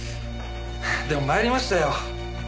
でもまいりましたよ。